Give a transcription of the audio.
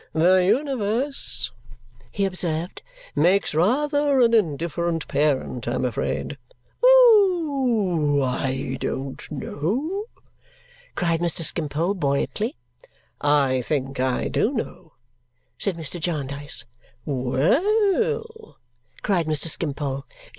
"The universe," he observed, "makes rather an indifferent parent, I am afraid." "Oh! I don't know!" cried Mr. Skimpole buoyantly. "I think I do know," said Mr. Jarndyce. "Well!" cried Mr. Skimpole.